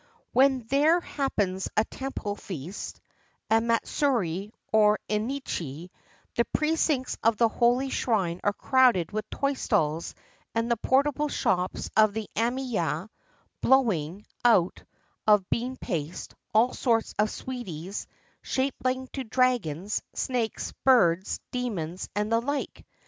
When there happens a temple feast — a matsuri or ennichi — the precincts of the holy shrine are crowded with toy stalls and the portable shops of the ame ya, blowing, out of bean paste, all sorts of "sweeties," shaped into dragons, snakes, birds, demons, and the Hke.